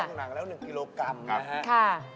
หนังแล้ว๑กิโลกรัมนะครับ